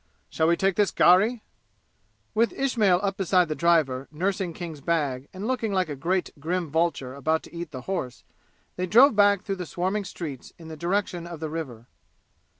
Shall we take this gharry?" With Ismail up beside the driver nursing King's bag and looking like a great grim vulture about to eat the horse, they drove back through swarming streets in the direction of the river.